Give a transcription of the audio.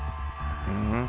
うん？